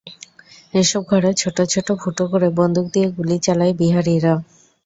এসব ঘরে ছোট ছোট ফুটো করে বন্দুক দিয়ে গুলি চালায় বিহারিরা।